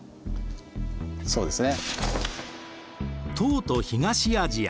そうですね。